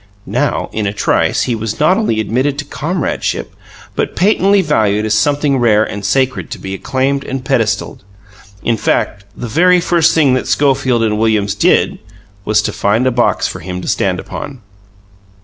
Now, in a trice, he was not only admitted to comradeship, but patently valued as something rare and sacred to be acclaimed and pedestalled. In fact, the very first thing that Schofield and Williams did was to find a box for him to stand upon.